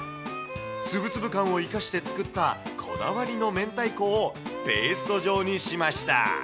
つぶつぶ感を生かして作ったこだわりのめんたいこをペースト状にしました。